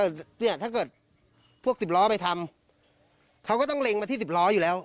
เนี่ยถ้าเกิดพวกสิบล้อไปทำเขาก็ต้องเล็งมาที่สิบล้ออยู่แล้ว